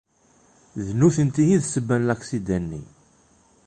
D nutenti i d ssebba n laksida-nni.